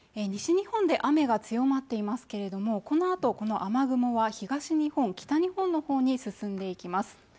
西日本で雨が強まっていますけれどもこのあとこの雨雲は東日本北日本の方に進んでいきます